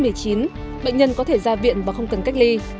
bệnh nhân có thể ra viện và không cần cách ly